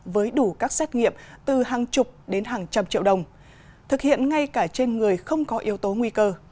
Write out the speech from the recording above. với đủ các xét nghiệm từ hàng chục đến hàng trăm triệu đồng thực hiện ngay cả trên người không có yếu tố nguy cơ